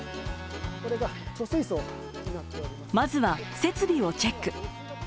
まずは設備をチェック。